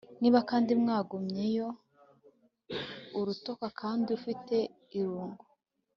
Niba kandi wagumyeyo urota kandi ufite irungu